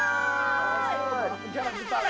キャラクターが？